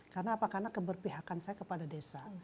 karena apa karena keberpihakan saya kepada desa